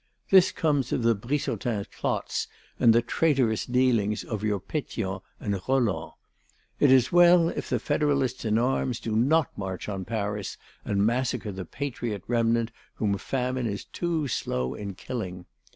This comes of the Brissotins' plots and the traitorous dealings of your Pétions and Rolands. It is well if the federalists in arms do not march on Paris and massacre the patriot remnant whom famine is too slow in killing!